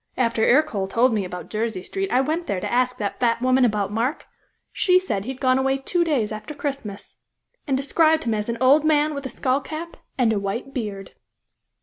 After Ercole told me about Jersey Street I went there to ask that fat woman about Mark; she said he had gone away two days after Christmas, and described him as an old man with a skull cap and a white beard."